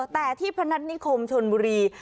แต่ที่พนัฐนิคมชนบุรี